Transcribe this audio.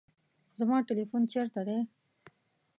زما تلیفون چیرته دی؟